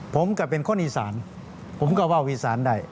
ผมก็เป็นคนอีสานผมก็ว่าอีสานได้